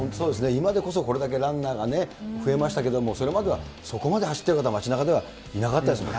今でこそこれだけランナーがね、増えましたけれども、それまではそこまで走っている方は街なかではいなかったですもの